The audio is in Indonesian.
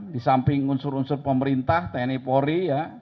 di samping unsur unsur pemerintah tni polri ya